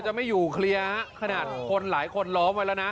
จะไม่อยู่เคลียร์ขนาดคนหลายคนล้อมไว้แล้วนะ